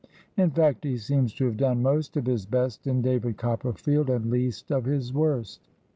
In fact, he seems to have done most of his best in " David Copperfield," and least of his worst.